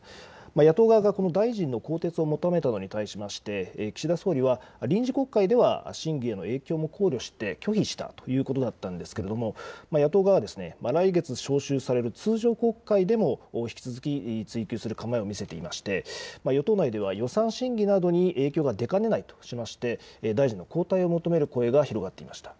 野党側が大臣の更迭を求めたのに対しまして、岸田総理は臨時国会では審議への影響も考慮して拒否したということがあったんですけれども野党側は来月召集される通常国会でも引き続き追及する構えを見せていまして与党内では予算審議などに影響が出かねないとしていまして大臣の交代を求める声が広がっていました。